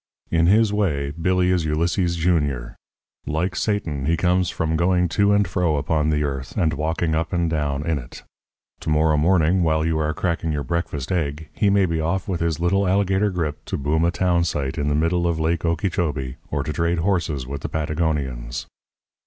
In his way, Billy is Ulysses, Jr. Like Satan, he comes from going to and fro upon the earth and walking up and down in it. To morrow morning while you are cracking your breakfast egg he may be off with his little alligator grip to boom a town site in the middle of Lake Okeechobee or to trade horses with the Patagonians.